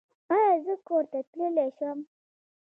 ایا زه کور ته تللی شم؟